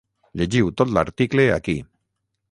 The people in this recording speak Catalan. Llegiu tot l’article aquí.